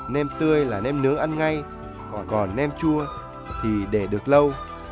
nem tươi là nêm nướng ăn ngay còn nem chua thì để được lâu